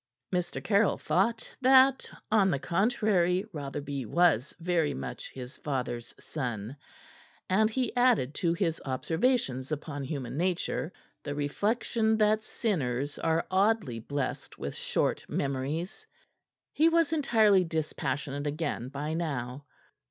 Mr. Caryll thought that, on the contrary, Rotherby was very much his father's son, and he added to his observations upon human nature the reflection that sinners are oddly blessed with short memories. He was entirely dispassionate again by now.